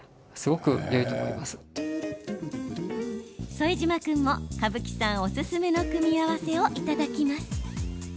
副島君も蕪木さんおすすめの組み合わせをいただきます。